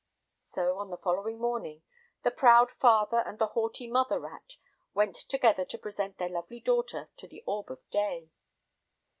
So, on the following morning the proud father and the haughty mother rat went together to present their lovely daughter to the orb of day.